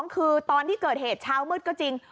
คือตอนที่เกิดเหตุเช้ามืดก็จริง